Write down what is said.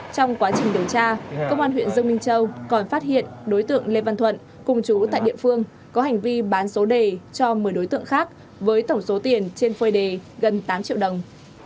trong quá trình điều tra công an huyện dương minh châu còn phát hiện đối tượng lê văn thuận cùng chú tại địa phương có hành vi bán số đề cho một mươi đối tượng khác với tổng số tiền trên phơi đề gần tám triệu đồng